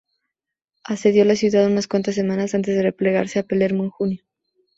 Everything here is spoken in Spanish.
Asedió la ciudad unas cuantas semanas, antes de replegarse a Palermo en junio.